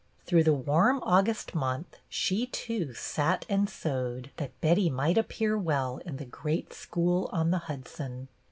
Through the warm August month she, too, sat and sewed, that Betty might appear well in the great school on the Hudson.